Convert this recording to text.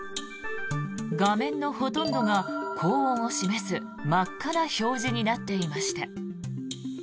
画面のほとんどが高温を示す真っ赤な表示になっていました。